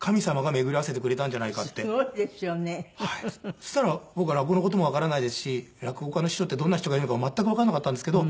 そしたら僕は落語の事もわからないですし落語家の師匠ってどんな人がいるのかも全くわからなかったんですけど。